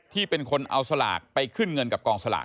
ที่เป็นคนเอาสลากไปขึ้นเงินกับกองสลาก